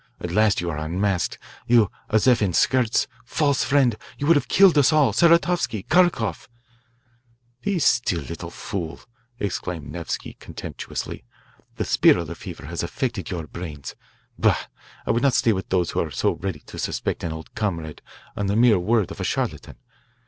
At last you are unmasked you Azeff in skirts. False friend you would have killed us all Saratovsky, Kharkoff "Be still, little fool," exclaimed Nevsky contemptuously. "The spirilla fever has affected your brains. Bah! I will not stay with those who are so ready to suspect an old comrade on the mere word of a charlatan.